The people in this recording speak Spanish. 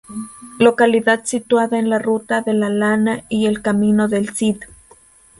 Localidad situada en la Ruta de la Lana y el Camino del Cid.